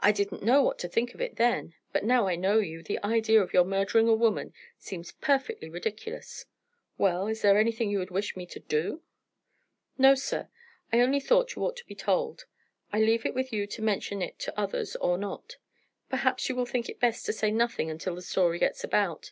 I didn't know what to think of it then, but now I know you, the idea of your murdering a woman seems perfectly ridiculous. Well, is there anything you would wish me to do!" "No, sir; I only thought you ought to be told. I leave it with you to mention it to others or not. Perhaps you will think it best to say nothing until the story gets about.